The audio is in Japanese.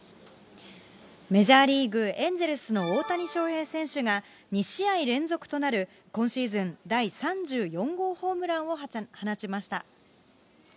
メジャーリーグ・エンゼルスの大谷翔平選手が、２試合連続となる今シーズン第３４号ホームランを放ちました。